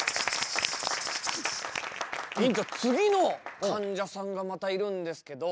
院長次のかんじゃさんがまたいるんですけど。